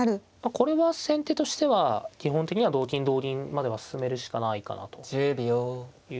これは先手としては基本的には同金同銀までは進めるしかないかなというところでしょうか。